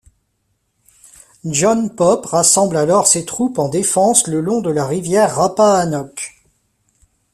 John Pope rassemble alors ses troupes en défense le long de la rivière Rappahannock.